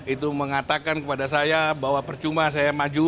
itu mengatakan kepada saya bahwa percuma saya maju